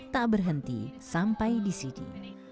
tak berhenti sampai disini